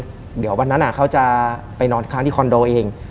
เดี๋ยววันนั้นเขาจะไปนอนค้างที่คอนโดเอง